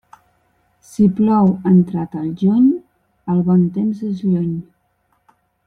Si plou entrat el juny, el bon temps és lluny.